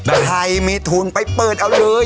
ใครมีทุนไปเปิดเอาเลย